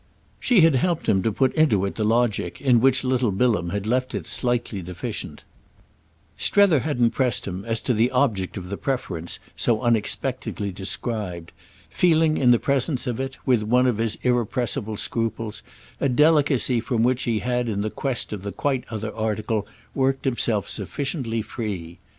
She had helped him to put into it the logic in which little Bilham had left it slightly deficient Strether hadn't pressed him as to the object of the preference so unexpectedly described; feeling in the presence of it, with one of his irrepressible scruples, a delicacy from which he had in the quest of the quite other article worked himself sufficiently free.